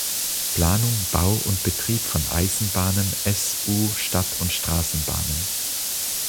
Planung, Bau und Betrieb von Eisenbahnen, S-, U-, Stadt- und Straßenbahnen.